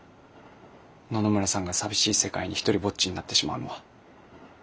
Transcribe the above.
野々村さんが寂しい世界に独りぼっちになってしまうのは。